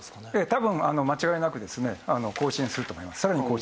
多分間違いなくですねさらに更新すると思いますね。